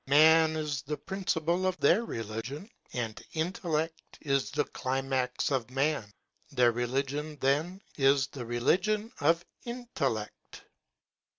Man is the principle of their religion, and intellect is the climax of man. Their relig ion, then, is the religion of intellect.